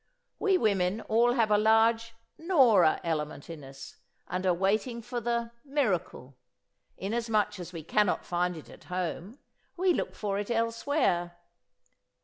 We women all have a large 'Nora' element in us and are waiting for the 'miracle.' Inasmuch as we cannot find it at home we look for it elsewhere.